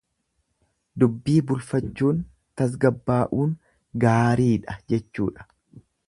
Dubbii bulfachuun, tasgabbaa'uun gaariidha jechuudha.